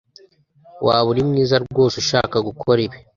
waba uri mwiza rwose ushaka gukora ibi